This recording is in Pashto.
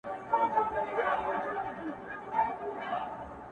• برابره یې قسمت کړه پر ده لاره,